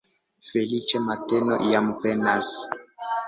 Feliĉe mateno jam venas!